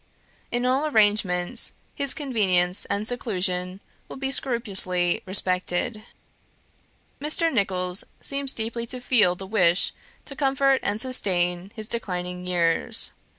In all arrangements, his convenience and seclusion will be scrupulously respected. Mr. Nicholls seems deeply to feel the wish to comfort and sustain his declining years.